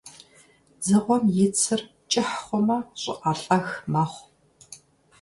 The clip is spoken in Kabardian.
Дзыгъуэм и цыр кӀыр хъумэ, щӀыӀэлӀэх мэхъу.